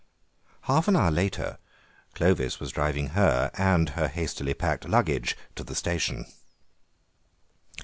Half an hour later Clovis was driving her and her hastily packed luggage to the station.